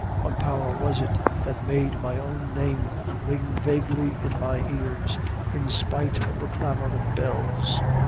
What power was it that made my own name ring vaguely in my ears, in spite of the clamor of bells?